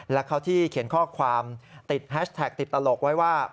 และเขาที่เขียนข้อความติดแฮชแท็กติดตลกไว้ว่า